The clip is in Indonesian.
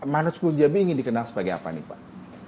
manus poonjabi ingin dikenal sebagai apa nih pak